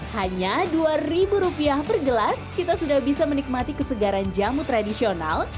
hanya rp dua per gelas kita sudah bisa menikmati kesegaran jamu tradisional